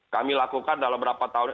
kami lakukan dalam berapa tahun